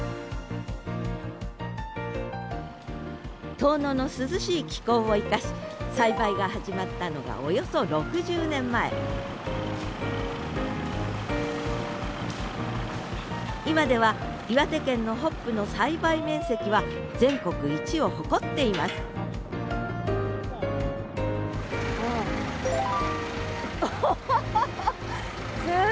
遠野の涼しい気候を生かし栽培が始まったのがおよそ６０年前今では岩手県のホップの栽培面積は全国一を誇っていますアハハハハッ！